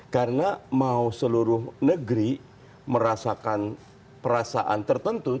karena mau seluruh negeri merasakan perasaan tertentu